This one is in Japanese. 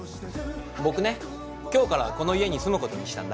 僕ね今日からこの家に住むことにしたんだ。